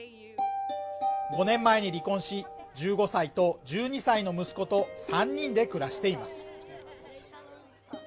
５年前に離婚し１５歳と１２歳の息子と３人で暮らしています